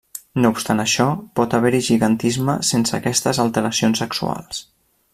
No obstant això, pot haver-hi gigantisme sense aquestes alteracions sexuals.